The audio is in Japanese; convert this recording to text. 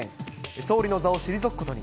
総理の座を退くことに。